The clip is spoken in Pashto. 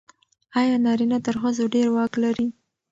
آیا نارینه تر ښځو ډېر واک لري؟